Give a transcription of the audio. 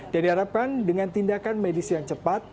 dan diharapkan dengan tindakan medis yang cepat